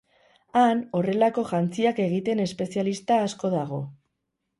Han, horrelako jantziak egiten espezialista asko dago.